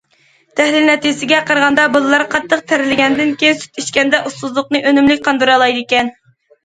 تەھلىل نەتىجىسىگە قارىغاندا، بالىلار قاتتىق تەرلىگەندىن كېيىن، سۈت ئىچكەندە ئۇسسۇزلۇقنى ئۈنۈملۈك قاندۇرالايدىكەن.